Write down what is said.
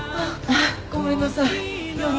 ごめんなさい夜に。